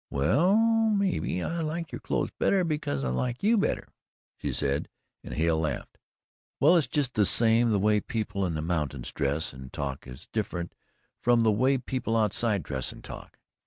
"Well, mebbe, I like your clothes better, because I like you better," she said, and Hale laughed. "Well, it's just the same the way people in the mountains dress and talk is different from the way people outside dress and talk.